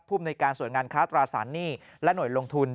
ภูมิในการส่วนงานค้าตราสารหนี้และหน่วยลงทุน